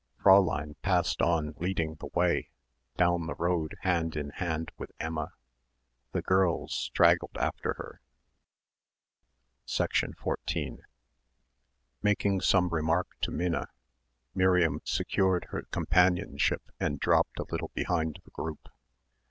Fräulein passed on leading the way, down the road hand in hand with Emma. The girls straggled after her. 14 Making some remark to Minna, Miriam secured her companionship and dropped a little behind the group.